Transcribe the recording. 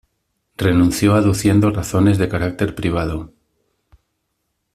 Renunció aduciendo razones de carácter privado.